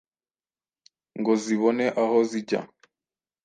ngo zibone aho zijya.